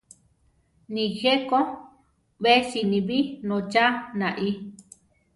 Nijé Ko be siníbi nócha naí.